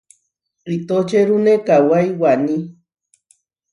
Itočerune kawái waní.